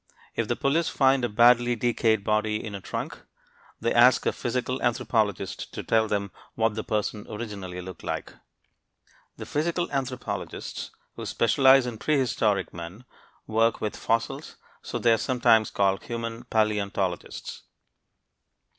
If the police find a badly decayed body in a trunk, they ask a physical anthropologist to tell them what the person originally looked like. The physical anthropologists who specialize in prehistoric men work with fossils, so they are sometimes called human paleontologists.